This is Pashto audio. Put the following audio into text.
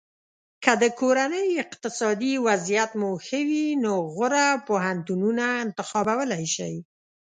که د کورنۍ اقتصادي وضعیت مو ښه وي نو غوره پوهنتونونه انتخابولی شی.